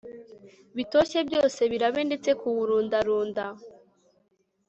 bitoshye byose birabe ndetse kuwurandurana